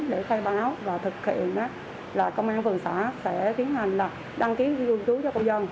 để khai báo và thực hiện là công an phường xã sẽ tiến hành đăng ký lưu trú cho công dân